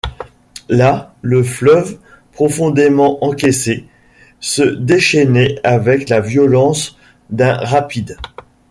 Là, le fleuve, profondément encaissé, se déchaînait avec la violence d’un rapide.